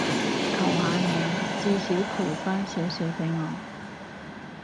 求下你，至少賠返少少畀我